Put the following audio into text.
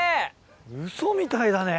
ウソみたいだね。